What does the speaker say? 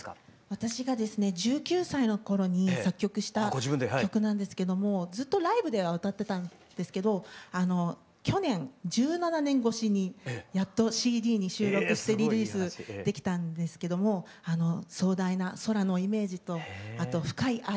私がですね１９歳の頃に作曲した曲なんですけどもずっとライブでは歌ってたんですけど去年１７年越しにやっとＣＤに収録してリリースできたんですけども壮大な空のイメージとあと深い愛を心を込めて歌います。